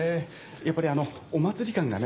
やっぱりあのお祭り感がね。